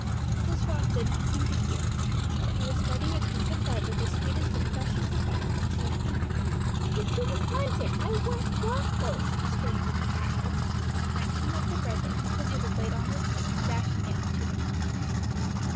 Mrs. Ross did not seem to hear, she was spreading a piece of bread with the sweetest and freshest of butter, for Sophie. "I don't want it, I want waffles!" screamed the child, snatching up the bread the instant it was laid on her plate, and dashing it on to the carpet.